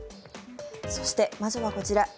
そして、まずはこちら。